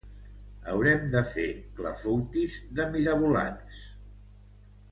Haurem de fer clafoutis de mirabolans.